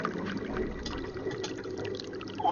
آزادي د انسان مسلم حق دی.